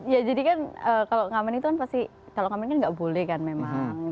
ya jadikan kalau ngamen itu kan pasti kalau ngamen kan enggak boleh kan memang